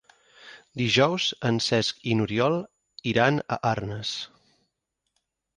Dijous en Cesc i n'Oriol iran a Arnes.